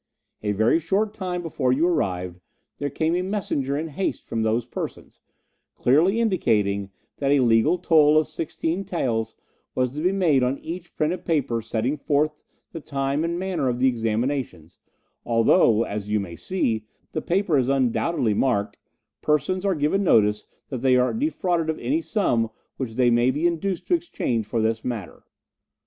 A very short time before you arrived there came a messenger in haste from those persons, clearly indicating that a legal toll of sixteen taels was to be made on each printed paper setting forth the time and manner of the examinations, although, as you may see, the paper is undoubtedly marked, 'Persons are given notice that they are defrauded of any sum which they may be induced to exchange for this matter.